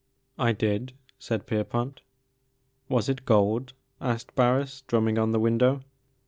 "Idid/*saidPierpont. "Was it gold?" asked Bams, drumming on the window.